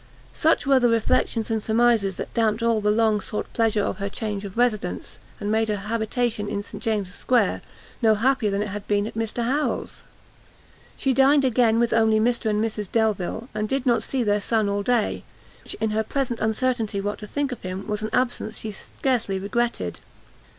Such were the reflections and surmises that dampt all the long sought pleasure of her change of residence, and made her habitation in St James's square no happier than it had been at Mr Harrel's! She dined again with only Mr and Mrs Delvile, and did not see their son all day; which, in her present uncertainty what to think of him, was an absence she scarcely regretted.